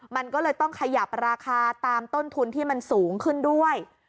มันก็เลยต้องขยับราคาตามต้นทุนที่มันสูงขึ้นด้วย